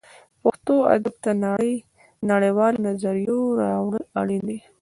پښتو ادب ته د نړۍ والو نظریو راوړل اړین دي